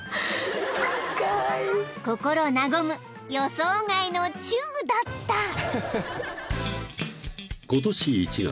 ［心和む予想外のチュウだった］